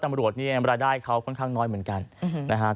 ตำรวจเนี่ยรายได้เขาค่อนข้างน้อยเหมือนกันนะครับ